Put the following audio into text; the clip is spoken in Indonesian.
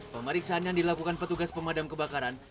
pemeriksaan yang dilakukan petugas pemadam kebakaran